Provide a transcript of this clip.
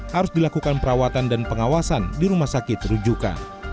harus dilakukan perawatan dan pengawasan di rumah sakit rujukan